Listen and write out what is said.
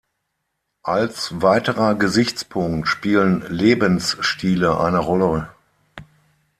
Als weiterer Gesichtspunkt spielen Lebensstile eine Rolle.